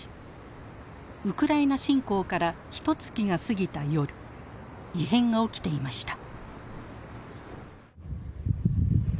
ウクライナ侵攻からひとつきが過ぎた夜異変が起きていました。